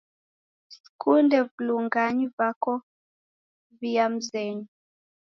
Sikunde vilunganya vako wiya mzenyu